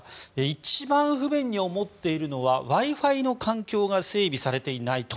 一番不便に思っているのはＷｉ−Ｆｉの環境が整備されていないと。